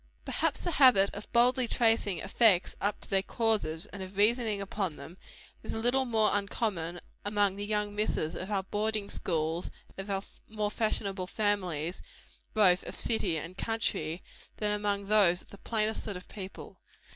Perhaps the habit of boldly tracing effects up to their causes, and of reasoning upon them, is a little more uncommon among the young misses of our boarding schools and our more fashionable families, both of city and country, than among those of the plainer sort of people.